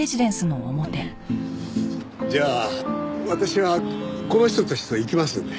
じゃあ私はこの人たちと行きますんで。